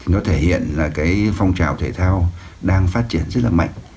nó thể hiện là cái phong trào thể thao đang phát triển rất là mạnh